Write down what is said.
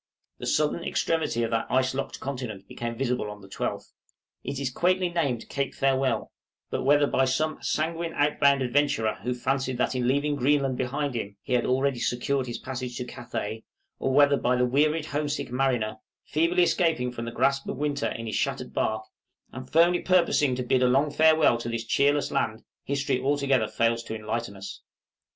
The southern extremity of that ice locked continent became visible on the 12th. It is quaintly named Cape Farewell; but whether by some sanguine outward bound adventurer who fancied that in leaving Greenland behind him he had already secured his passage to Cathay; or whether by the wearied homesick mariner, feebly escaping from the grasp of winter in his shattered bark, and firmly purposing to bid a long farewell to this cheerless land, history altogether fails to enlighten us.